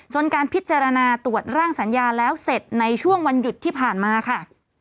การพิจารณาตรวจร่างสัญญาแล้วเสร็จในช่วงวันหยุดที่ผ่านมาค่ะ